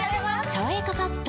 「さわやかパッド」